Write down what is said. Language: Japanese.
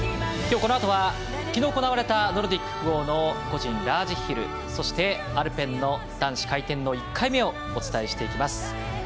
このあとは昨日、行われたノルディック複合個人ラージヒルそして、アルペンの男子回転の１回目をお伝えしていきます。